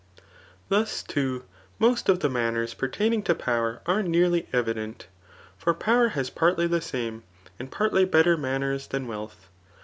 Thus too, most of the manners pertaining to power are nearly evident ; for power has partly the sam^ and partly better manners than wealth.